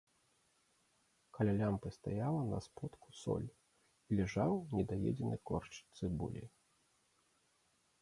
Каля лямпы стаяла на сподку соль і ляжаў недаедзены корч цыбулі.